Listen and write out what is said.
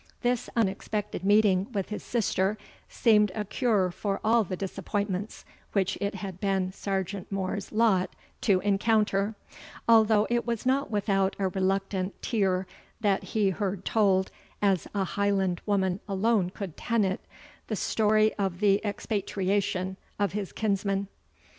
This unexpected meeting with his sister seemed a cure for all the disappointments which it had been Sergeant More's lot to encounter, although it was not without a reluctant tear that he heard told, as a Highland woman alone could ten it, the story of the expatriation of his kinsmen.